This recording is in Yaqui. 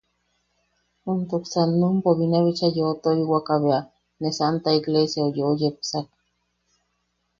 Juntuksan numpo binabicha yeu tojiwaka bea, ne santa igleesiau ne yeu yepsak.